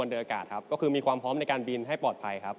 ดูแลเครื่องให้เครื่องปลอดภัย